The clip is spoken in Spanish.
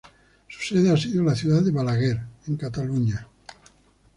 Su sede ha sido la ciudad de Balaguer en Cataluña.